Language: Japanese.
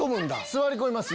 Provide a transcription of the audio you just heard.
座り込みます。